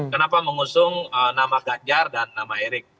kenapa mengusung nama ganjar dan nama erik